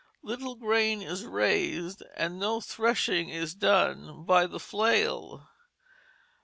Little grain is raised and no threshing is done by the flail.